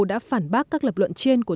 đã phản bác các lập luận trên của